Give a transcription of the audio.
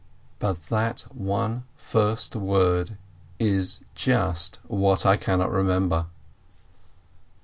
But that one first word is just what I cannot remember